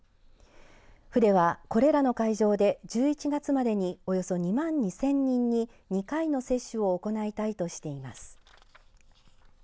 府では、これらの会場で１１月までにおよそ２万２０００人に２回の接種を行いたいとしています。